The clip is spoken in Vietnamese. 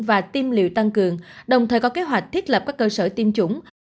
và tiêm liệu tăng cường đồng thời có kế hoạch thiết lập các cơ sở tiêm chủng